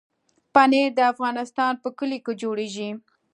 پنېر د افغانستان په کلیو کې جوړېږي.